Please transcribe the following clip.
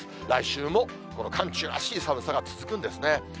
来週も、この寒中らしい寒さが続くんですね。